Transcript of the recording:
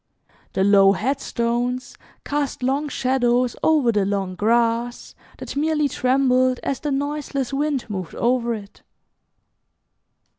The low headstones cast long shadows over the long grass that merely trembled as the noiseless wind moved over it.